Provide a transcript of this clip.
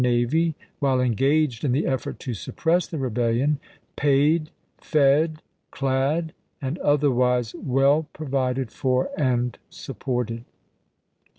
navy, while engaged in the effort to suppress the rebel vent?o"n, lion, paid, fed, clad, and otherwise well provided for and J^£329' supported.